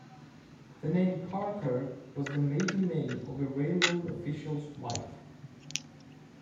The name Parker was the maiden name of a railroad official's wife.